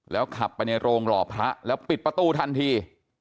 ขับไปในโรงหล่อพระแล้วปิดประตูทันที